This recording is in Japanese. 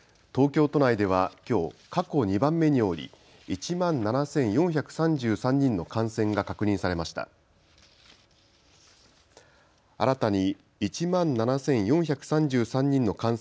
東京都内ではきょう過去２番目に多い、１万７４３３人の感染が確認されました。